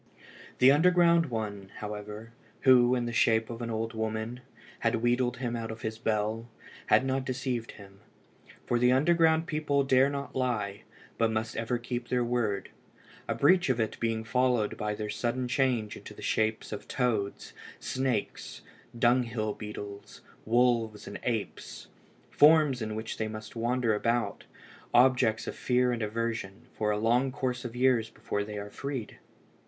The underground one, however, who, in the shape of an old woman, had wheedled him out of his bell, had not deceived him. For the underground people dare not lie, but must ever keep their word a breach of it being followed by their sudden change into the shape of toads, snakes, dunghill beetles, wolves, and apes, forms in which they wander about, objects of fear and aversion, for a long course of years before they are freed.